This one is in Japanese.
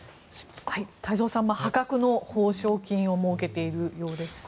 太蔵さん、破格の報酬を設けているようです。